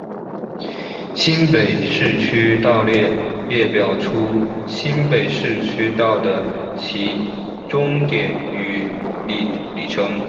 新北市区道列表列出新北市区道的起终点与里程。